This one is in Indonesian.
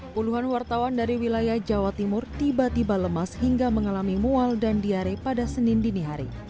puluhan wartawan dari wilayah jawa timur tiba tiba lemas hingga mengalami mual dan diare pada senin dini hari